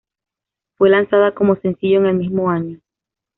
Fue lanzada como sencillo en el mismo año.